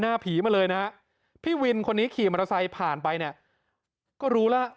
หน้าผีมาเลยนะฮะพี่วินคนนี้ขี่มอเตอร์ไซค์ผ่านไปเนี่ยก็รู้แล้ว